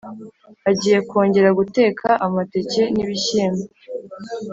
agiye kwongera guteka amateke n’ibishyimbo,